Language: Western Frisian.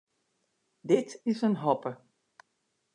Dit is in hoppe.